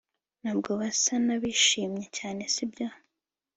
Ntabwo basa nabishimye cyane sibyo